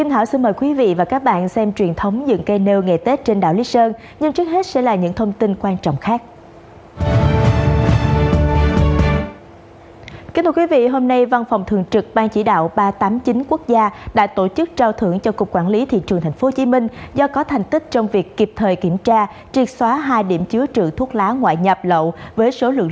hãy đăng ký kênh để ủng hộ kênh của mình nhé